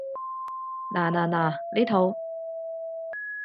嗱嗱嗱，呢套